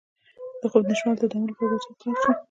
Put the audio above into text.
د خوب د نشتوالي د دوام لپاره باید چا ته لاړ شم؟